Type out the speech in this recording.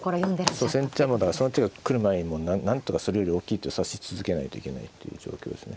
そう先手はもうだからその手が来る前になんとかそれより大きい手を指し続けないといけないという状況ですね。